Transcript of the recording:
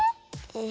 え。